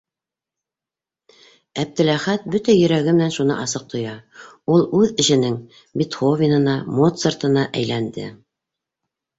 Әптеләхәт бөтә йөрәге менән шуны асыҡ тоя - ул үҙ эшенең Бетховенына, Моцартына әйләнде!